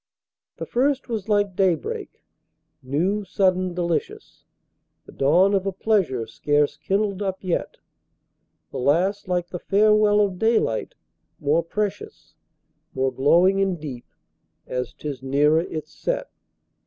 The first was like day break, new, sudden, delicious, The dawn of a pleasure scarce kindled up yet; The last like the farewell of daylight, more precious, More glowing and deep, as 'tis nearer its set.